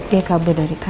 dia kabur dari tanah